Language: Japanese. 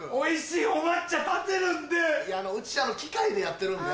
いやうち機械でやってるんで。